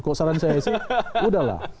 kalau saran saya ya sudah lah